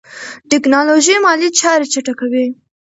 ټیکنالوژي مالي چارې چټکوي.